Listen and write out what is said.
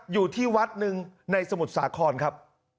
อยู่ที่วัดหนึ่งในสมุทรสาครครับ